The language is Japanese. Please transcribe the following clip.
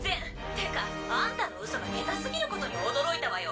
てかアンタの嘘が下手すぎることに驚いたわよ！